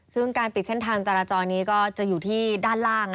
ซึ่งการปิดเส้นทางจราจรนี้ก็จะอยู่ที่ด้านล่าง